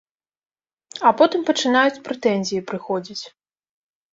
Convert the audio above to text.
А потым пачынаюць прэтэнзіі прыходзіць.